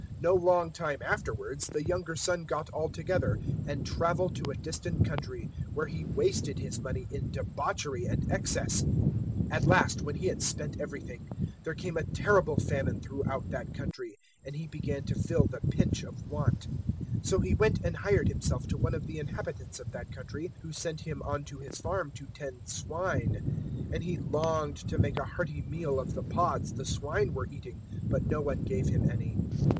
015:013 No long time afterwards the younger son got all together and travelled to a distant country, where he wasted his money in debauchery and excess. 015:014 At last, when he had spent everything, there came a terrible famine throughout that country, and he began to feel the pinch of want. 015:015 So he went and hired himself to one of the inhabitants of that country, who sent him on to his farm to tend swine; 015:016 and he longed to make a hearty meal of the pods the swine were eating, but no one gave him any.